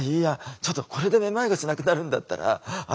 ちょっとこれでめまいがしなくなるんだったら私